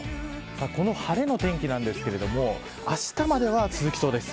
この晴れの天気なんですけどあしたまでは続きそうです。